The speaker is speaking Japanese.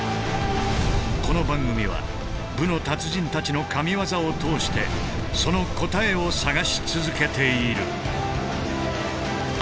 この番組は武の達人たちの神技を通してその答えを探し続けている。